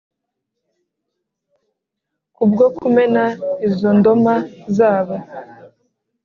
Kubwo kumena izo ndoma zabo